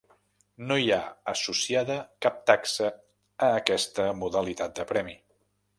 No hi ha associada cap taxa a aquesta modalitat de premi.